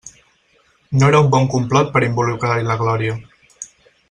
No era un bon complot per involucrar-hi la Glòria!